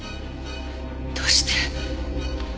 どうして。